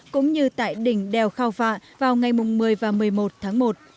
cũng như tại đỉnh đèo khao phạ vào ngày một mươi và một mươi một tháng một